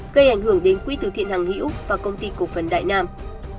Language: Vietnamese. gây ảnh hưởng đến quý tử thiện hằng hiếu và công ty cổ phấn đại nam